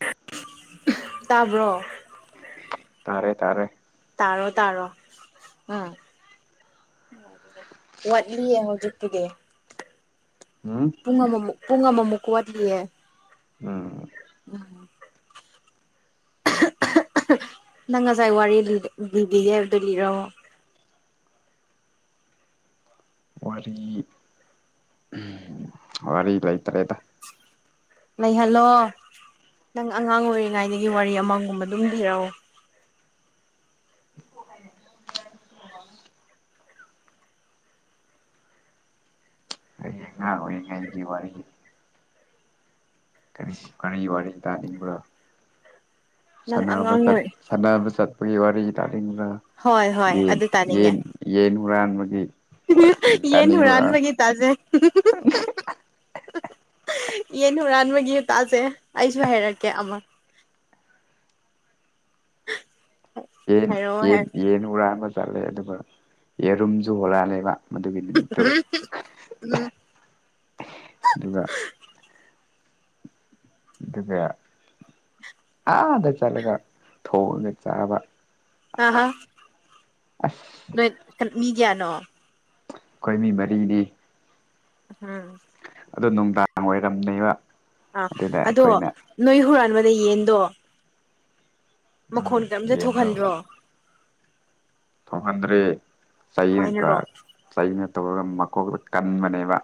[unintelligible] ꯇꯥꯕ꯭ꯔꯣ ꯇꯥꯔꯦ ꯇꯥꯔꯦ ꯇꯔꯣ ꯇꯥꯔꯣ ꯎꯝ ꯋꯥꯠꯂꯤꯌꯦ ꯍꯧꯖꯤꯛꯇꯨꯗꯤ ꯎꯝ ꯄꯨꯡ ꯑꯃꯃꯨꯛ ꯄꯨꯡ ꯑꯃꯃꯨꯛ ꯋꯥꯠꯂꯤꯑꯦ ꯑꯝ [unintelligible] ꯅꯪ ꯉꯁꯥꯏ ꯋꯥꯔꯤ ꯂꯤꯕꯤꯌꯦ ꯍꯥꯏꯕꯗꯣ ꯂꯤꯔꯃꯣ [unintelligible] ꯋꯥꯔꯤ ꯋꯥꯔꯤ ꯂꯩꯇꯔꯦꯗ ꯂꯩꯍꯜꯂꯣ ꯅꯪ ꯑꯉꯥꯡ ꯑꯣꯏꯔꯤꯉꯩꯗꯒꯤ ꯋꯥꯔꯤ ꯑꯃꯥꯡꯒꯨꯝꯕ ꯑꯗꯨꯝ ꯂꯤꯔꯛꯑꯣ ꯑꯩ [unintelligible] [inaudible] ꯀꯔꯤ ꯀꯔꯤ ꯋꯥꯔꯤ ꯇꯥꯅꯤꯡꯕ꯭ꯔꯣ ꯅꯪ ꯁꯥꯟꯅꯕ ꯑꯉꯥꯡ ꯆꯠ ꯑꯣꯏ ꯁꯥꯟꯅꯕ ꯆꯠꯄꯒꯤ ꯋꯥꯔꯤ ꯇꯥꯅ ꯭ ꯍꯣꯏ [unintelligible] ꯍꯣꯏ ꯌꯦꯟ ꯑꯗꯨ ꯇꯥꯅꯤꯡꯉꯦ ꯌꯦꯟ ꯌꯦꯟ ꯍꯨꯔꯥꯟꯕꯒꯤ ꯋꯥꯔꯤ ꯌꯦꯟ ꯇꯥꯅꯤꯡꯕ꯭ꯔꯥ ꯍꯨꯔꯥꯟꯕꯒꯤ ꯇꯥꯖꯦ ꯌꯦꯟ ꯍꯨꯔꯥꯟꯕꯒꯤ ꯇꯥꯁꯦ ꯑꯩꯁꯨ ꯍꯥꯏꯔꯛꯀꯦ ꯑꯃ ꯌꯦꯟ ꯍꯥꯏꯔꯛꯑꯣ ꯌꯦꯟ ꯍꯥꯏꯔ ꯌꯦꯟ ꯍꯨꯔꯥꯟꯕ ꯆꯠꯂꯦ ꯑꯗꯨꯒ ꯌꯦꯔꯨꯝꯁꯨ ꯍꯨꯔꯥꯟꯂꯛꯑꯅꯦꯕ ꯃꯗꯨꯒꯤ ꯅꯨꯃꯤꯠꯇꯣ ꯎꯝ [unintelligible] ꯑꯗꯨꯒ ꯑꯗꯨꯒ ꯑꯥꯗ ꯆꯠꯂꯒ ꯊꯣꯡꯑꯒ ꯆꯥꯕ ꯑꯍꯥ ꯅꯣꯏ ꯃꯤ ꯀꯌꯥꯅꯣ ꯑꯩꯈꯣꯏꯃꯤ ꯃꯔꯤꯅꯤ ꯎꯝ ꯑꯗꯣ ꯅꯨꯡꯗꯥꯡ ꯑꯣꯏꯔꯝꯅꯦꯕ ꯑꯥ ꯑꯗꯨꯗ ꯑꯗꯣ ꯑꯩꯈꯣꯏꯅ ꯅꯣꯏ ꯍꯨꯔꯥꯟꯕꯗ ꯌꯦꯟꯗꯣ ꯎꯝ ꯃꯈꯣꯟ ꯀꯔꯝꯇ ꯊꯣꯛꯍꯟꯗ꯭ꯔꯣ ꯊꯣꯛꯍꯟꯗ꯭ꯔꯦ ꯆꯩ ꯀꯔ ꯀꯃꯥꯏꯅꯔꯣ ꯆꯩꯅ ꯇꯧꯔꯒ ꯃꯀꯣꯛꯇ ꯀꯟꯕꯅꯦꯕ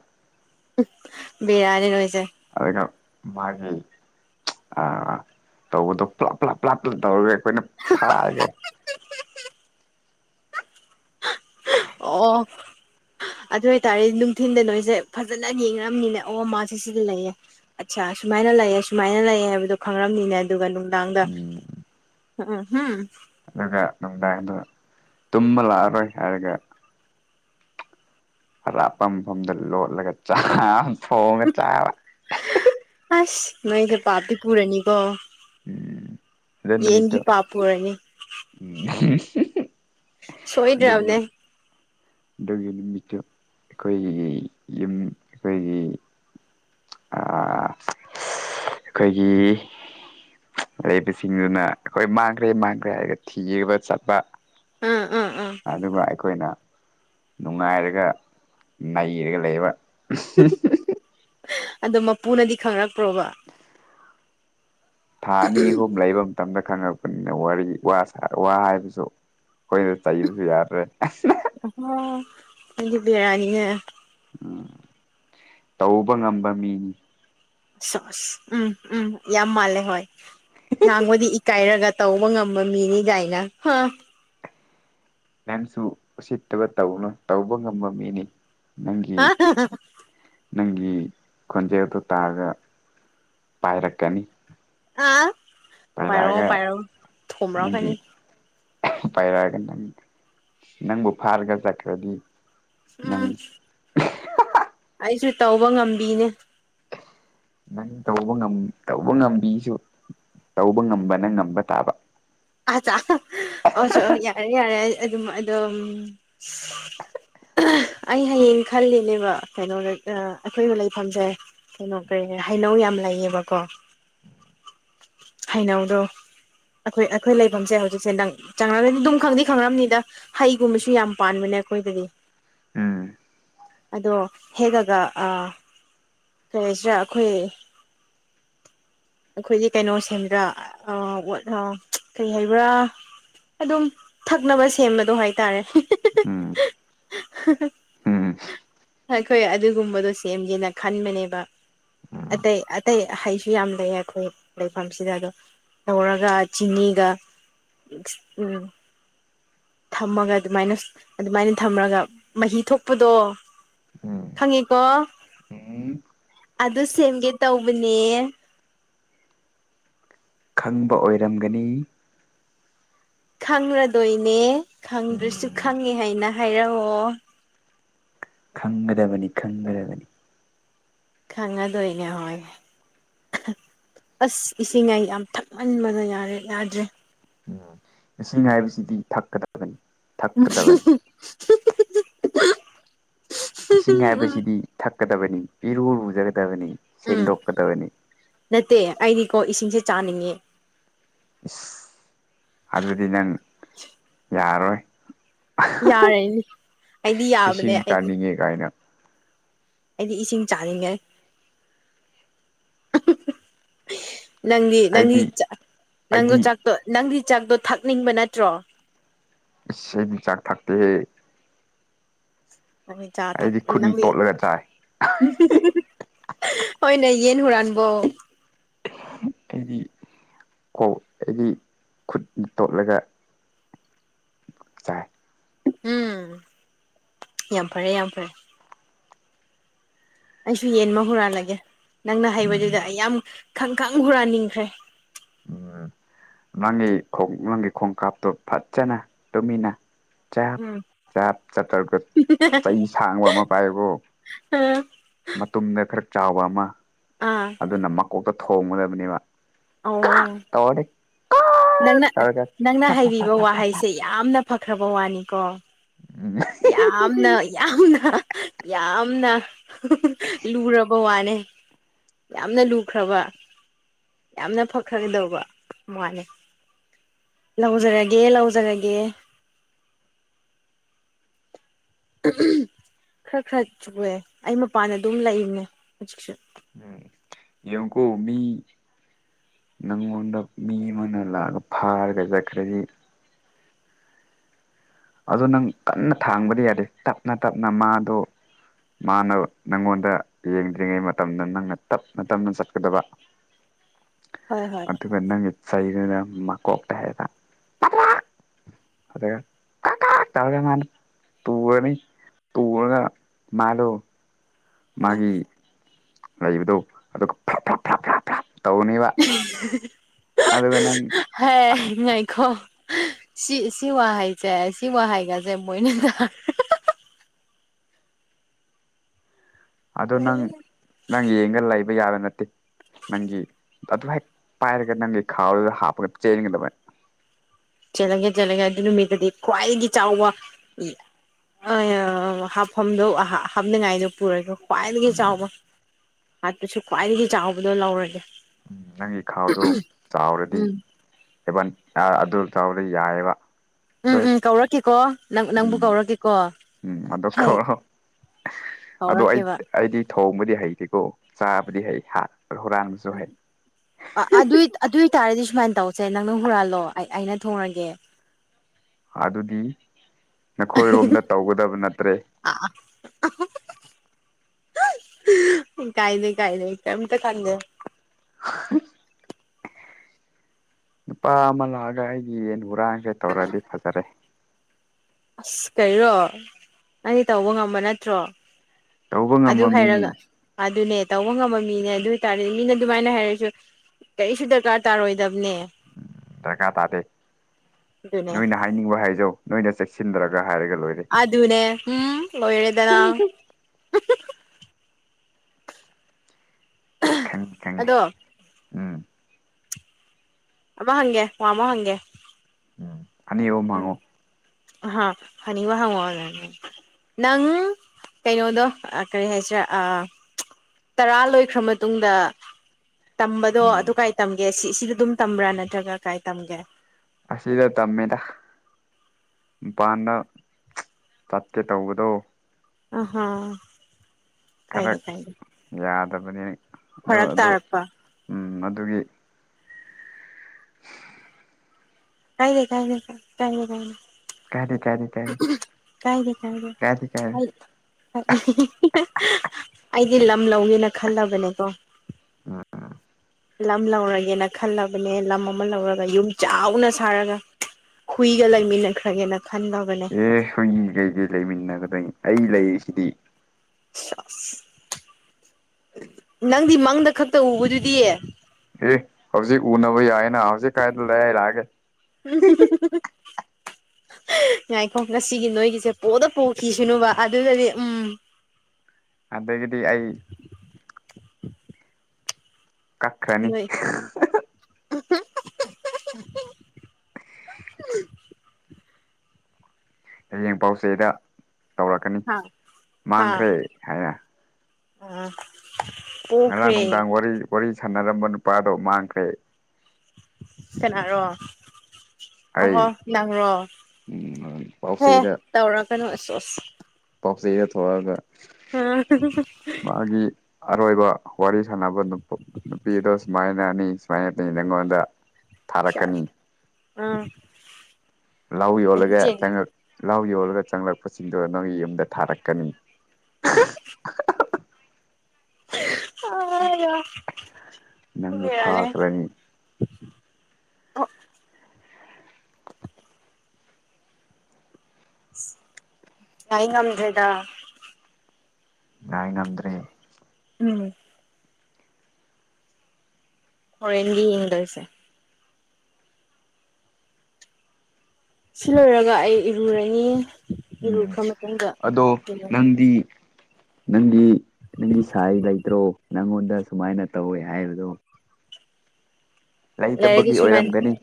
ꯕꯤꯔꯔꯦ ꯅꯣꯏꯁꯦ ꯑꯗꯨꯒ ꯃꯥꯒꯤ ꯇꯧꯕꯗꯣ ꯄꯨꯂꯞ ꯄꯨꯂꯥꯞ ꯄꯨꯂꯥꯞ ꯄꯨꯞ ꯇꯧꯔꯒꯦ ꯑꯩꯈꯣꯏꯅ ꯐꯥꯒꯦ ꯑꯣ ꯑꯗꯨ ꯑꯣꯏꯇꯥꯔꯦꯗꯤ ꯅꯨꯡꯊꯤꯟꯗ ꯅꯣꯏꯁꯦ ꯐꯖꯅ ꯌꯦꯡꯅꯔꯝꯅꯤꯅꯦ ꯑ ꯃꯥꯥꯁꯦ ꯁꯤꯗ ꯂꯩꯌꯦ ꯑꯠꯆꯥ ꯑꯁꯨꯃꯥꯏꯅ ꯂꯩꯌꯦ ꯁꯨꯃꯥꯏꯅ ꯂꯩꯌꯦ ꯍꯥꯏꯕꯗꯣ ꯈꯪꯔꯝꯅꯤꯅꯦ ꯑꯗꯨꯒ ꯅꯨꯡꯗꯥꯡꯗ ꯎꯝ [unintelligible] ꯑꯗꯨꯒ ꯅꯨꯡꯗꯥꯡꯗꯣ ꯇꯨꯝꯕ ꯂꯥꯛꯑꯔꯣꯏ ꯍꯥꯏꯔꯒ ꯑꯔꯥꯞꯄ ꯃꯐꯝꯗ ꯂꯣꯠꯂꯒ ꯆꯥ ꯊꯣꯡꯒ ꯆꯥꯕ ꯑꯁ ꯅꯣꯏꯁꯦ ꯄꯥꯞꯇꯤ ꯄꯨꯔꯅꯤꯀꯣ ꯎꯝ ꯑꯗꯨ ꯌꯦꯟꯒꯤ ꯅꯨꯃꯤꯠꯇꯨ ꯄꯥꯞ ꯄꯨꯔꯅꯤ [unintelligible] ꯑꯗꯨꯅ ꯁꯣꯏꯗ꯭ꯔꯕꯅꯦ ꯑꯗꯨꯒꯤ ꯅꯨꯃꯤꯠꯇꯨ ꯑꯩꯈꯣꯏꯒꯤ ꯌꯨꯝ ꯑꯩꯈꯣꯏꯒꯤ [unintelligible] ꯑꯩꯈꯣꯏꯒꯤ ꯂꯩꯕꯁꯤꯡꯗꯨꯅ ꯑꯩꯈꯣꯏ ꯃꯥꯡꯈ꯭ꯔꯦ ꯃꯥꯡꯈ꯭ꯔꯦ ꯍꯥꯏꯔꯒ ꯊꯤꯒ ꯆꯠꯄ [unintelligible] ꯑꯗꯨꯒ ꯑꯩꯈꯣꯏꯅ ꯅꯨꯡꯉꯥꯏꯔꯒ ꯅꯩꯔꯒ ꯂꯩꯕ [unintelligible] ꯑꯣ ꯃꯄꯨꯅꯗꯤ ꯈꯪꯔꯛꯄ꯭ꯔꯣꯕ ꯊꯥ ꯑꯅꯤ ꯑꯍꯨꯝ ꯂꯩꯕ ꯃꯇꯝꯗ ꯈꯪꯉꯛꯄꯅꯤꯅ ꯋꯥꯔꯤ ꯋꯥ ꯍꯥꯏꯕꯁꯨ ꯑꯩꯈꯣꯏꯅ ꯆꯩꯕꯁꯨ ꯌꯥꯗ꯭ꯔꯦ ꯑꯩꯗꯤ ꯕꯤꯔꯅꯤ ꯅꯦ ꯎꯝ ꯇꯧꯕ ꯉꯝꯕ ꯃꯤꯅꯤ ꯁꯁ ꯎꯝ ꯎꯝ ꯌꯥꯝ ꯃꯥꯂꯦ ꯍꯣꯏ ꯉꯥꯡꯕꯗꯤ ꯏꯀꯥꯏꯔꯒ ꯇꯧꯕ ꯉꯝꯕ ꯃꯤꯅꯤ ꯀꯥꯏꯅ ꯍꯥ ꯅꯪꯁꯨ ꯎꯁꯤꯠꯇꯕ ꯇꯧꯅꯨ ꯇꯧꯕ ꯉꯝꯕ ꯃꯤꯅꯤ ꯅꯪꯒꯤ [unintelligible] ꯅꯪꯒꯤ ꯈꯣꯟꯖꯦꯜꯗꯣ ꯇꯥꯔꯒ ꯄꯥꯏꯔꯛꯀꯅꯤ ꯑꯥ ꯄꯥꯏꯔꯛꯑꯣ ꯄꯥꯏꯔꯒ ꯄꯥꯏꯔꯛꯑꯣ ꯅꯪꯒꯤ ꯊꯣꯝꯔꯛꯀꯅꯤ ꯄꯥꯏꯔꯛꯑꯒ ꯅꯪ ꯅꯪꯕꯨ ꯐꯥꯔꯒ ꯆꯈꯔꯗꯤ ꯑꯝ ꯑꯩꯁꯨ ꯇꯧꯕ ꯉꯝꯕꯤꯅꯦ ꯅꯪ ꯇꯧꯕ ꯉꯝ ꯇꯧꯕ ꯉꯝꯕꯤꯁꯨ ꯇꯧꯕ ꯉꯝꯕ ꯅ ꯉꯝꯕ ꯇꯥꯕ ꯑꯆ ꯑꯣꯁꯨ ꯌꯥꯔꯦ ꯌꯥꯔꯦ ꯑꯗꯨꯝ ꯑꯗꯨꯝ ꯑꯩ ꯍꯌꯦꯡ ꯈꯜꯂꯤꯅꯦꯕ ꯀꯩꯅꯣꯗ ꯑꯩꯈꯣꯏꯅ ꯂꯩꯐꯝꯁꯦ ꯀꯩꯅꯣ ꯀꯩ ꯍꯩꯅꯧ ꯌꯥꯝ ꯂꯩꯌꯦꯕꯀꯣ [inaudible] ꯍꯩꯅꯧꯗꯣ ꯑꯩꯈꯣꯏ ꯑꯩꯈꯣꯏ ꯂꯩꯐꯝꯁꯦ ꯍꯧꯖꯤꯛꯁꯦ ꯅꯪ ꯆꯪꯉꯗꯤ ꯑꯗꯨꯝ ꯈꯪꯗꯤ ꯈꯪꯅꯤꯗ ꯍꯩꯒꯨꯝꯕꯁꯨ ꯌꯥꯝ ꯄꯥꯟꯕꯅꯦ ꯑꯩꯈꯣꯏꯗꯗꯤ ꯎꯝ ꯑꯗꯣ ꯍꯦꯛꯑꯒ ꯑ ꯀꯩ ꯍꯥꯏꯁꯤꯔꯥ ꯑꯩꯈꯣꯏ ꯑꯩꯈꯣꯏꯗꯤ ꯀꯩꯅꯣ ꯁꯦꯝꯗ ꯑ ꯑꯣ ꯀꯩ ꯍꯥꯏꯕ ꯑꯗꯨꯝ ꯊꯛꯅꯕ ꯁꯦꯝꯕꯗꯣ ꯍꯥꯏꯇꯥꯔꯦ ꯎꯝ ꯎꯝ ꯑꯩꯈꯣꯏ ꯑꯗꯨꯒꯨꯝꯕꯗꯣ ꯁꯦꯝꯖꯦꯅ ꯈꯟꯕꯅꯦꯕ ꯑꯇꯩ ꯑꯇꯩ ꯍꯩꯁꯨ ꯌꯥꯝ ꯂꯩꯌꯦ ꯑꯩꯈꯣꯏ ꯂꯩꯐꯝꯁꯤꯗ ꯗꯨꯝ ꯇꯧꯔꯒ ꯆꯤꯅꯤꯒ ꯎꯝ ꯊꯝꯃꯒ ꯑꯗꯨꯃꯥꯏꯅ ꯑꯗꯨꯃꯥꯏꯅ ꯊꯝꯃꯒ ꯃꯍꯤ ꯊꯣꯛꯄꯗꯣ ꯎꯝ ꯈꯪꯉꯤꯀꯣ ꯎꯝ ꯑꯗꯨ ꯁꯦꯝꯒꯦ ꯇꯧꯕꯅꯦ ꯈꯪꯕ ꯑꯣꯏꯔꯝꯒꯅꯤ ꯈꯪꯔꯗꯣꯏꯅꯦ ꯈꯪꯗ꯭ꯔꯁꯨ ꯈꯪꯉꯦ ꯍꯥꯏꯅ ꯍꯥꯏꯔꯛꯑꯣ ꯈꯪꯒꯗꯕꯅꯤ ꯈꯪꯒꯗꯕꯅꯤ ꯈꯥꯉꯥꯗꯣꯏꯅꯦ ꯍꯣꯏ ꯑꯁ ꯏꯁꯤꯡꯉꯥꯏ ꯌꯥꯝ ꯊꯛꯃꯟꯕꯅ ꯌꯥꯔꯦ ꯌꯥꯗ꯭ꯔꯦ ꯎꯝ ꯏꯁꯤꯡ ꯍꯥꯏꯕꯁꯤꯗꯤ ꯊꯛꯀꯗꯕꯅꯤ ꯊꯛꯀꯗꯕꯅꯤ ꯏꯁꯤꯡ ꯍꯥꯏꯕꯁꯤꯗꯤ ꯊꯛꯀꯗꯕꯅꯤ ꯏꯔꯨ ꯔꯨꯖꯔꯦ ꯇꯕꯅꯤ ꯎꯝ ꯁꯦꯡꯗꯣꯛꯀꯗꯕꯅꯤ ꯀꯣ ꯏꯁꯤꯡꯁꯦ ꯆꯥꯅꯤꯡꯉꯦ ꯏꯁ ꯑꯗꯨꯗꯤ ꯅꯪ ꯌꯥꯔꯣꯏ ꯌꯥꯔꯅꯤ ꯑꯩꯗꯤ ꯌꯥꯕꯅꯦ ꯏꯁꯤꯡ ꯑꯩꯗꯤ ꯆꯥꯅꯤꯡꯉꯦ ꯀꯥꯏꯅ ꯑꯩꯗꯤ ꯏꯁꯤꯡ ꯆꯥꯅꯤꯡꯉꯦ ꯅꯪꯒꯤ ꯅꯪꯒꯤ ꯑꯩꯗꯤ ꯆꯥꯥꯛ ꯅꯪꯗꯣ ꯑꯩꯗꯤ ꯆꯥꯛꯇꯣ ꯅꯪꯒꯤ ꯆꯥꯛꯇꯣ ꯊꯛꯅꯤꯡꯕ ꯅꯠꯇ꯭ꯔꯣ ꯑꯩꯗꯤ ꯆꯥꯛ ꯊꯥꯛꯇ ꯍꯦ ꯅꯪ ꯆꯥ ꯊꯛ ꯈꯨꯠꯅ ꯅꯪꯗꯤ ꯇꯣꯠꯂꯒ ꯆꯥꯏ [unintelligible] ꯍꯣꯏꯅꯦ ꯌꯦꯟ ꯍꯨꯔꯥꯟꯕꯣ ꯑꯩꯗꯤ ꯀꯣ ꯑꯩꯒꯤ ꯈꯨꯠ ꯇꯣꯠꯂꯒ ꯆꯥꯏ ꯎꯝ ꯌꯥꯝ ꯐꯔꯦ ꯌꯥꯝ ꯐꯔꯦ ꯑꯩꯁꯨ ꯌꯦꯟ ꯑꯃ ꯍꯨꯔꯥꯜꯂꯒꯦ ꯅꯪꯅ ꯍꯩꯕꯗꯨꯗ ꯑꯩ ꯌꯥꯝ ꯈꯪꯈꯪ ꯍꯨꯔꯥꯟꯅꯤꯡꯈ꯭ꯔꯦ ꯎ ꯅꯪꯒꯤꯣꯡ ꯅꯪꯒꯤ ꯈꯣꯡꯀꯥꯞꯇꯣ ꯐꯖꯅ ꯇꯨꯃꯤꯟꯅ ꯆꯥꯛ ꯎꯝ ꯆꯞ ꯆꯥꯇ꯭ꯔꯒ ꯆꯩ ꯁꯥꯡꯕ ꯑꯃ ꯄꯥꯏꯌꯦꯕꯣ ꯃꯇꯨꯝꯗ ꯈꯔ ꯆꯥꯎꯕ ꯑꯃ ꯑꯥ ꯑꯗꯨꯅ ꯃꯀꯣꯛꯇ ꯊꯣꯡꯉꯨꯗꯕꯅꯦꯕ ꯑꯣ ꯇꯃꯗꯤ ꯅꯪꯅ ꯅꯪꯅ ꯍꯥꯏꯕꯤꯕ ꯋꯥꯍꯩꯁꯦ ꯌꯥꯝꯅ ꯐꯈ꯭ꯔꯕ ꯋꯥꯅꯤꯀꯣ ꯌꯥꯝꯅ ꯌꯥꯝꯅ ꯌꯥꯝꯅ ꯂꯨꯔꯕ ꯋꯥꯅꯦ ꯌꯥꯝꯅ ꯂꯨꯈ꯭ꯔꯕ ꯌꯥꯝꯅ ꯐꯈ꯭ꯔꯒꯗꯧꯕ ꯃꯥꯅꯦ ꯂꯧꯖꯔꯒꯦ ꯂꯧꯖꯔꯒꯦ ꯈꯔ ꯈꯔ ꯆꯨꯑꯦ ꯑꯩ ꯃꯄꯥꯟꯗ ꯑꯗꯨꯝ ꯂꯩꯅꯦ ꯍꯧꯖꯤꯛꯁꯨ ꯎꯝ ꯌꯦꯡ ꯀꯣ ꯃꯤ ꯅꯪꯉꯣꯟꯗ ꯃꯤ ꯑꯃꯅ ꯂꯥꯛꯑꯒ ꯐꯥꯔꯒ ꯆꯠꯈ꯭ꯔꯁꯤ ꯑꯗꯨ ꯅꯪ ꯀꯟꯅ ꯊꯥꯡꯕꯗꯤ ꯌꯥꯗꯦ ꯇꯞꯅ ꯇꯞꯅ ꯃꯥꯗꯣ ꯃꯥꯅ ꯅꯪꯉꯣꯟꯗ ꯌꯦꯡꯗ꯭ꯔꯤꯉꯩ ꯃꯇꯝꯗ ꯅꯪꯅ ꯇꯞꯅ ꯇꯞꯅ ꯆꯠꯀꯗꯕ ꯍꯣꯏ ꯍꯣꯏ ꯑꯗꯨꯇꯄꯟꯅ ꯃꯦ ꯆꯥꯏꯅ ꯃꯥ ꯀꯣꯛꯇ ꯍꯥꯏꯌꯦꯗ ꯑꯒ ꯇꯒ ꯃꯥꯅ ꯇꯨꯅꯤ ꯇꯒ ꯃꯥꯂꯣ ꯑꯣ ꯃꯥꯒꯤ ꯂꯩꯕꯗꯣ ꯑꯗꯨꯒ ꯐꯥ ꯑꯗꯨꯒ ꯅꯪ ꯍ ꯉꯥꯏꯈꯣꯡ ꯁꯤ ꯁꯤ ꯋꯥꯍꯩꯁꯦ ꯁꯤ ꯋꯥꯍꯩꯒꯁꯦ ꯃꯣꯏꯅ ꯇ [unintelligible] ꯑꯗꯣ ꯅꯪ ꯅꯪ ꯌꯦꯡꯒ ꯂꯩꯕ ꯌꯥꯕ ꯅꯠꯇꯦ ꯅꯪꯒꯤ ꯑꯗꯨ ꯍꯦꯛ ꯄꯥꯏꯔꯒ ꯅꯪꯒꯤ ꯈꯥꯎꯗꯨꯗ ꯍꯥꯞꯄꯒ ꯆꯦꯟꯒꯗꯕꯅꯦ ꯆꯠꯒꯦ ꯆꯠꯂꯉꯦ ꯑꯗꯨ ꯅꯨꯃꯤꯠꯇꯗꯤ ꯈ꯭ꯋꯥꯏꯗꯒꯤ ꯆꯥꯎꯕ ꯑ ꯍꯥꯞꯐꯝꯗꯣ ꯍꯥꯞꯅꯤꯡꯉꯥꯏꯗꯣ ꯄꯨꯔꯒꯁꯨ ꯈ꯭ꯋꯥꯏꯗꯒꯤ ꯆꯥꯎꯕ ꯍꯥꯠꯄꯁꯨ ꯈ꯭ꯋꯥꯏꯗꯒꯤ ꯆꯥꯎꯕꯗꯣ ꯂꯧꯔꯒꯦ ꯎꯝ ꯅꯪꯒꯤ ꯈꯥꯎꯗꯣ ꯆꯥꯎꯔꯗꯤ ꯎꯝ ꯍꯦꯕꯟ ꯑꯗꯨ ꯆꯥꯎꯔ ꯌꯥꯏꯑꯕ ꯑꯗꯣ ꯎꯝ ꯎꯝ ꯀꯧꯔꯛꯀꯀꯣ ꯅꯪ ꯅꯪꯕꯨ ꯎꯝ ꯀꯧꯔꯛꯀꯦꯀꯣ ꯎꯝ ꯑꯗꯣ ꯍ ꯀꯧꯔꯣ ꯑꯗꯣ ꯑꯩ ꯀꯧꯔꯛꯀꯦꯕ ꯑꯩꯗꯤ ꯊꯣꯡꯕꯗꯤ ꯍꯩꯇꯦꯀꯣ ꯆꯥꯕꯗꯤ ꯍꯩ ꯍꯥ ꯑꯗꯨ ꯑꯗꯨ ꯑꯗꯨ ꯇꯥꯔꯦꯗꯤꯁꯨꯃꯥꯟ ꯇꯧꯁꯦ ꯅꯪꯅ ꯍꯨꯔꯥꯜꯂꯣ ꯑꯩꯅ ꯊꯣꯡꯉꯒꯦ ꯑꯗꯨꯗꯤ ꯅꯈꯣꯏꯔꯣꯝꯗ ꯇꯧꯒꯗꯕ ꯅꯠꯇ꯭ꯔꯦ ꯀꯥꯏ ꯂꯩ ꯀꯥꯏ ꯂꯩ ꯀꯝꯇ ꯈꯥꯟꯗꯦ ꯅꯨꯄꯥ ꯑꯃ ꯂꯥꯛꯑꯒ ꯑꯩꯒꯤ ꯌꯦꯟ ꯍꯨꯔꯥꯡꯁꯦ ꯇꯧꯔꯗꯤ ꯐꯖꯔꯦ ꯑꯁ ꯀꯔꯣ ꯅꯪꯗꯤ ꯇꯧꯕ ꯉꯝꯕ ꯅꯠꯇ꯭ꯔꯣ ꯇꯧꯕ ꯑꯗꯨ ꯉꯝꯕ ꯃꯤꯅꯤ ꯍꯥꯏꯔꯒ ꯑꯗꯨꯅꯦ ꯇꯧꯕ ꯉꯝꯕ ꯃꯤꯅꯦ ꯑꯗꯨ ꯑꯣꯏꯇꯥꯔꯗꯤ ꯃꯤꯅ ꯑꯗꯨꯃꯥꯏꯅ ꯍꯥꯏꯔꯁꯨ ꯀꯔꯤꯁꯨ ꯗꯔꯀꯥꯔ ꯇꯥꯔꯣꯏꯗꯕꯅꯦ ꯎꯝ ꯗꯔꯀꯥ ꯇꯥꯗꯦ ꯑꯗꯨꯅꯦ ꯅꯣꯏꯅ ꯍꯥꯏꯅꯤꯡꯕ ꯍꯥꯏꯖꯧ ꯅꯣꯏꯅ ꯆꯦꯛꯁꯤꯜꯗꯔꯒ ꯑ ꯑꯗꯨꯅꯦ ꯎꯝꯦꯗꯅꯥ ꯈꯪꯤ ꯈꯪꯉꯤ ꯑꯗꯣ ꯎꯝ ꯑꯃꯃ ꯍꯪꯒꯦ ꯋꯥꯃ ꯍꯪꯒꯦ ꯎꯝ ꯑ ꯌꯦ ꯃꯉꯣ ꯑ ꯍꯅꯤ ꯋꯥꯍꯉꯗꯅꯤ ꯅꯪ ꯀꯩꯅꯣꯗꯣ ꯀꯔꯤ ꯍꯥꯏꯁꯤꯔꯦ ꯑ ꯇꯔꯥ ꯂꯣꯏꯈ꯭ꯔ ꯃꯇꯨꯡꯗ ꯇꯝꯕꯗꯣ ꯎꯝ ꯑꯗꯨ ꯀꯥꯏ ꯇꯝꯒꯦ ꯁꯤ ꯁꯤꯗ ꯑꯗꯨꯝ ꯇꯝꯕ꯭ꯔꯥ ꯅꯠꯇ꯭ꯔꯒ ꯀꯥꯏ ꯇꯝꯒꯦ ꯑꯁꯤꯗ ꯇꯝꯃꯦꯗ ꯃꯄꯥꯟꯗ ꯆꯠꯀꯦ ꯇꯧꯕꯗꯣ ꯑ ꯍ ꯈꯔ ꯌꯥꯗꯕꯅꯤꯅ ꯑꯗꯨ ꯐꯔꯛ ꯑꯗꯨ ꯇꯥꯔꯛꯄ ꯎ ꯑꯗꯨꯒꯤ ꯀꯥꯏꯗꯦ ꯀꯥꯏꯗꯦ ꯀꯥꯏ ꯀꯥꯏꯗꯦ ꯀꯥꯏꯅꯦ ꯀꯥꯏꯗ ꯀꯥꯏꯗꯦ ꯀꯥꯏꯗꯦ ꯑꯩꯗꯤ ꯂꯝ ꯂꯧꯒꯦꯅ ꯈꯜꯂꯕꯅꯦꯀꯣ ꯑꯥ ꯂꯝ ꯂꯧꯔꯒꯦꯅ ꯈꯜꯂꯕꯅꯦ ꯂꯝ ꯑꯃ ꯂꯧꯔꯒ ꯌꯨꯝ ꯆꯥꯎꯅ ꯁꯥꯔꯒ ꯍꯨꯏꯒ ꯂꯩꯃꯤꯟꯅꯈ꯭ꯔꯒꯦꯅ ꯈꯟꯗꯕꯅꯦ ꯑꯦ ꯁꯣꯏꯒꯤ ꯀꯩꯗꯤꯩ ꯂꯩꯃꯤꯟꯅꯒꯗꯣꯏꯅꯤ ꯑꯩ ꯂꯩꯔꯤꯁꯤꯗꯤ ꯑꯁ ꯅꯪꯗꯤ ꯃꯪꯗ ꯈꯛꯇ ꯎꯕꯗꯨꯗꯤꯌꯦ ꯑꯦ ꯍꯧꯖꯤꯛ ꯎꯅꯕ ꯌꯥꯏꯅ ꯍꯧꯖꯤꯛ ꯀꯥꯏꯗ ꯂꯩ ꯍꯥꯏꯏ ꯂꯛꯑꯒꯦ [unintelligible] ꯉꯥꯏꯈꯣ ꯉꯁꯤꯒꯤ ꯅꯣꯏꯒꯤꯁꯦ ꯄꯣꯗ ꯄꯣꯛꯈꯤꯁꯅꯨꯕ ꯑꯗꯨꯗꯗꯤ ꯎꯝ ꯑꯗꯗꯒꯤꯗꯤ ꯑꯩ ꯀꯥꯈ꯭ꯔꯥꯅꯤ ꯅꯣꯏ [unintelligible] ꯍꯌꯦꯡ ꯄꯥꯎꯆꯦꯗ ꯇꯧꯔꯛꯀꯅꯤ ꯍꯥ ꯃꯥꯡꯈ꯭ꯔꯦ ꯍꯥꯏꯅ ꯎꯝ ꯉꯔꯥꯡ ꯅꯨꯡꯗꯥꯡ ꯋꯥꯔꯤ ꯁꯥꯟꯅꯔꯝꯕ ꯅꯨꯄꯥꯗꯣ ꯃꯥꯡꯈ꯭ꯔꯦ ꯁꯅꯥꯔꯣ ꯑꯩ ꯑ ꯅꯔꯣ ꯍꯦ ꯄꯥꯎꯆꯦꯗ ꯇꯧꯔ ꯀꯩꯅꯣ ꯑꯁꯁ ꯁ ꯊꯑꯒ ꯑ ꯑꯔꯣꯏꯕ ꯋꯥꯔꯤ ꯁꯥꯟꯅꯕ ꯅꯨꯄꯤ ꯑꯗꯣ ꯁꯨꯃꯥꯏꯅ ꯑꯅꯤ ꯁꯨꯃꯥꯏꯅ ꯂꯩ ꯑꯩꯉꯣꯟꯗ ꯊꯥꯔꯛꯀꯅꯤ ꯑꯥ ꯂ ꯌꯣꯜꯂꯒꯦ ꯆꯪꯉꯛ ꯂ ꯌꯣꯜꯂꯒ ꯆꯪꯂꯛꯄꯁꯤꯡꯗꯣ ꯅꯪꯒꯤ ꯌꯨꯝꯗ ꯊꯥꯔꯛꯀꯅꯤ ꯑ ꯅꯪꯕꯨ ꯐꯥꯈ꯭ꯔꯅꯤ ꯑ ꯇ ꯉꯝꯊꯦꯗꯗꯥ ꯉꯥꯏ ꯉꯝꯗ꯭ꯔꯦ ꯎꯝ ꯐꯣꯔꯦꯟꯕꯤ ꯏꯪꯂꯁꯦ ꯁꯤ ꯂꯣꯏꯔꯒ ꯑꯩ ꯏꯔꯨꯔꯅꯤ ꯎꯝ ꯏꯔꯨꯈ꯭ꯔ ꯃꯇꯨꯡꯗ ꯑꯗꯣ ꯅꯪꯗꯤ ꯅꯪꯒꯤ ꯅꯪꯒꯤ ꯁꯥꯏ ꯂꯩꯇ꯭ꯔꯣ ꯅꯪꯉꯣꯟꯗ ꯁꯨꯃꯥꯏꯅ ꯇꯧꯋꯦ ꯍꯥꯏꯕꯗꯣ ꯂꯩꯔꯗꯤ ꯂꯩꯇꯝꯕꯒꯤ ꯁꯨꯃꯥꯏꯅ ꯑꯣꯏꯔꯝꯒꯅꯤ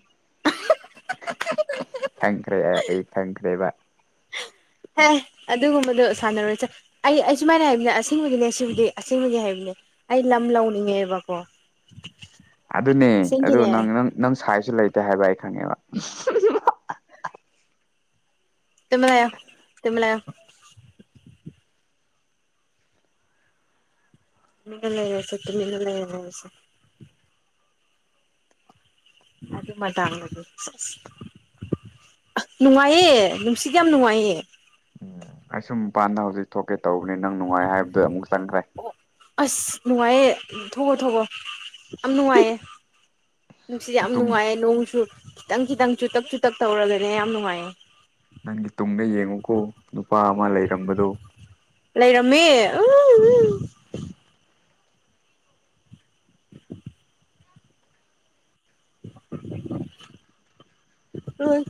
ꯐꯪꯈ꯭ꯔꯦ ꯑꯩ ꯐꯪꯈ꯭ꯔꯦꯕ ꯍꯦ ꯑꯗꯨꯒꯨꯝꯕꯗꯣ ꯁꯥꯟꯅꯔꯣꯏꯁꯦ ꯑꯩ ꯑꯩ ꯁꯨꯃꯥꯏꯅ ꯍꯥꯏꯕꯅꯦ ꯑꯁꯦꯡꯕꯒꯤꯅꯦ ꯑꯁꯤꯕꯨꯗꯤ ꯑꯁꯦꯡꯕꯗꯤ ꯍꯥꯏꯕꯅꯤ ꯑꯩ ꯂꯝ ꯂꯧꯅꯤꯡꯉꯦꯕꯀꯣ ꯑꯗꯨꯅꯦ ꯑꯗꯨ ꯑꯁꯦꯡꯒꯤꯅꯦ ꯅꯪ ꯅꯪ ꯅꯪ ꯁꯥꯏꯖꯁꯨ ꯂꯩꯇꯦ ꯍꯥꯏꯕ ꯑꯩ ꯈꯪꯉꯦꯕ ꯇ ꯃꯅꯌꯥ ꯇ ꯃꯅ ꯃꯤꯅ ꯂꯩ ꯌꯥꯁꯣ ꯇꯨꯃꯤꯅ ꯂꯩ ꯌꯥꯁꯣ ꯑꯗꯨ ꯃꯖꯥꯡ ꯂꯩ ꯅꯨꯡꯉꯥꯏꯌꯦ ꯅꯨꯡꯁꯤꯠꯒꯤ ꯌꯥꯝ ꯅꯨꯡꯉꯥꯏꯌꯦ ꯑꯩꯁꯨꯝ ꯃꯄꯥꯟꯗ ꯍꯧꯖꯤꯛ ꯊꯣꯛꯀꯦ ꯇꯧꯕꯅꯤ ꯅꯪ ꯅꯨꯡꯉꯥꯏ ꯍꯥꯏꯕꯗꯨꯣ ꯑꯃꯨꯛ ꯆꯪꯈ꯭ꯔꯦ ꯑꯣ ꯑꯁ ꯅꯨꯡꯉꯥꯏꯌꯦ ꯊꯣꯛꯈꯣ ꯊꯣꯛꯈꯣ ꯌꯥꯝ ꯅꯨꯡꯉꯥꯏꯌꯦ ꯅꯨꯡꯁꯤꯠ ꯌꯥꯝ ꯃꯇꯨꯡ ꯅꯨꯡꯉꯥꯏꯌꯦꯦ ꯅꯣꯡꯁꯨ ꯈꯤꯇꯪ ꯈꯤꯇꯪ ꯆꯨꯇꯛ ꯆꯨꯇꯛ ꯇꯧꯔꯒꯅꯦ ꯌꯥꯝ ꯅꯨꯡꯉꯥꯏꯌꯦꯦ ꯅꯪꯒꯤ ꯇꯨꯡꯗ ꯌꯦꯡꯉꯨꯀꯣ ꯅꯨꯄꯥ ꯑꯃ ꯂꯩꯔꯝꯕꯗꯣ ꯂꯩꯔꯝꯃꯦ ꯎ ꯎ